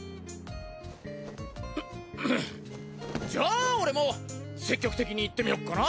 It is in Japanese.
じゃあ俺も積極的にいってみよっかな！